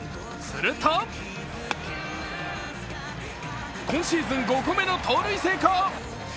すると、今シーズン５個目の盗塁成功。